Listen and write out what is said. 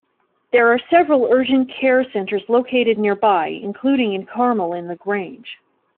There are several urgent care centers located nearby including in Carmel and LaGrange.